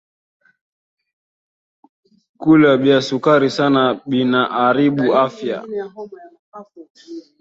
Kula bya sukari sana bina aribu afya